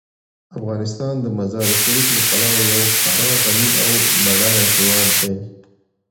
افغانستان د مزارشریف له پلوه یو خورا غني او بډایه هیواد دی.